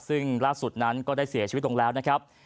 ซึ่งล่าสุดนั้นก็ได้เสียชีวิตลงแล้วนะครับ